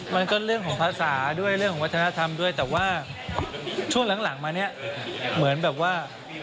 มันก็เรื่องของภาษาด้วยเรื่องของวัฒนธรรมด้วยแต่ว่าช่วงหลังมาเนี่ยเหมือนแบบว่า